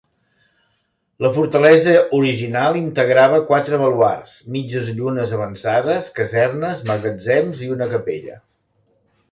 La fortalesa original integrava quatre baluards, mitges llunes avançades, casernes, magatzems i una capella.